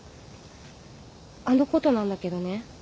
あのことなんだけどね。